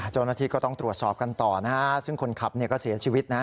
เจ้าหน้าที่ก็ต้องตรวจสอบกันต่อซึ่งคนขับก็เสียชีวิตนะ